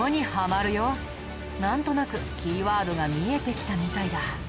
なんとなくキーワードが見えてきたみたいだ。